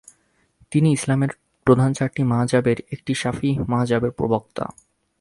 তিনি ইসলামের প্রধান চারটি মাযহাবের একটি শাফি'ঈ মাযহাবের প্রবক্তা।